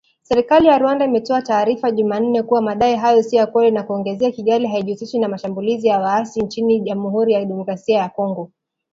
Serikali ya Rwanda, imetoa taarifa jumanne, kuwa madai hayo si ya kweli, na kuongezea Kigali haijihusishi na mashambulizi ya waasi nchini Jamhuri ya Kidemokrasia ya Kongo